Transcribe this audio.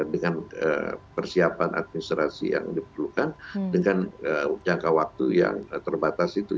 dengan persiapan administrasi yang diperlukan dengan jangka waktu yang terbatas itu